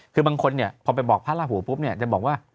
คือบางคนเนี่ยพอไปบอกพระราหูปุ๊บเนี่ยจะบอกว่า